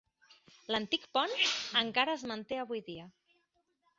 L'antic pont encara es manté avui dia.